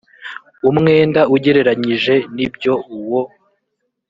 umwenda ugereranyije n ibyo uwo